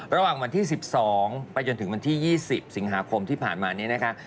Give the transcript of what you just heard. ระหว่างวันที่๑๒ไปจนถึงวันที่๒๐สิงหาคมที่ผ่านมานี้นะคะ